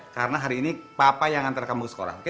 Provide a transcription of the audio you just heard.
karena hari ini papa yang nganter kamu sekolah oke